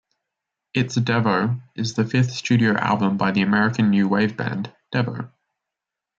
It's Devo is the fifth studio album by the American new wave band Devo.